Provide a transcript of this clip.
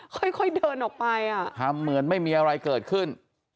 ค่อยเดินออกไปอ่ะทำเหมือนไม่มีอะไรเกิดขึ้น